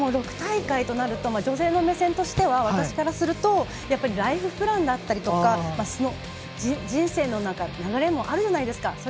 ６大会となると女性の目線としては私からするとライフプランだったりとか人生の流れもあるじゃないですか。